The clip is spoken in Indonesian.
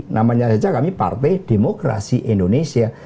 namanya saja kami partai demokrasi indonesia